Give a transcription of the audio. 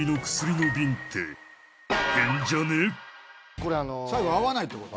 これあの最後合わないってこと？